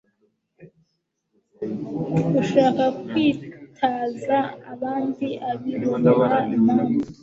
Ushaka kwitaza abandi abibonera impamvu